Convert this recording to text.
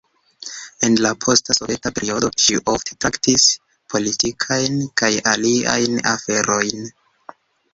En la posta soveta periodo ŝi ofte traktis politikajn kaj aliajn aferojn.